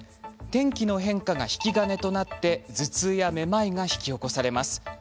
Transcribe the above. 天気の変化が引き金となって頭痛やめまいが引き起こされます。